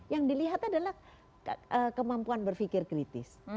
yang dilihat adalah kemampuan berpikir kritis